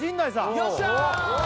よっしゃー！